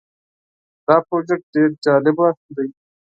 دا پروژه ډیر جالبه ده.